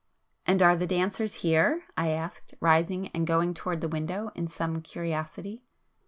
"And are the dancers here?" I asked, rising and going towards the window in some curiosity.